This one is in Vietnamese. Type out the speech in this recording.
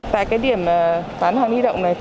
tại cái điểm bán hàng đi động này